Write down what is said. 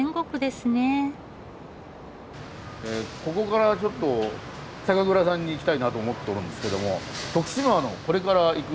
ここからちょっと酒蔵さんに行きたいなと思っとるんですけども徳島のこれから行く酒蔵さん